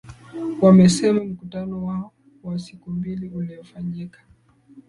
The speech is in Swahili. wamesema mkutano wao wa siku mbili uliofanyika